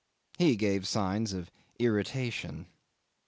He gave signs of irritation.